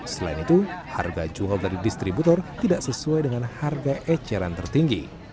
selain itu harga jual dari distributor tidak sesuai dengan harga eceran tertinggi